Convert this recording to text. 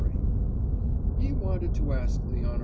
"He wanted to ask the hon.